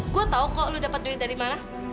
gue tau kok lu dapat duit dari mana